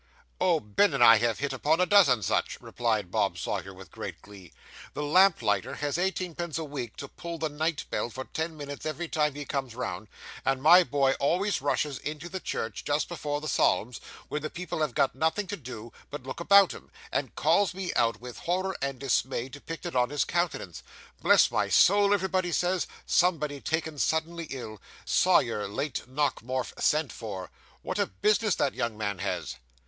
'Oh, Ben and I have hit upon a dozen such,' replied Bob Sawyer, with great glee. 'The lamplighter has eighteenpence a week to pull the night bell for ten minutes every time he comes round; and my boy always rushes into the church just before the psalms, when the people have got nothing to do but look about 'em, and calls me out, with horror and dismay depicted on his countenance. "Bless my soul," everybody says, "somebody taken suddenly ill! Sawyer, late Nockemorf, sent for. What a business that young man has!"